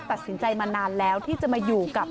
ตัดสินใจมานานแล้วที่จะมาอยู่กับ